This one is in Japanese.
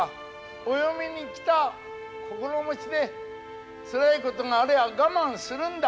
お嫁に来た心持ちでつらいことがありゃ我慢するんだ。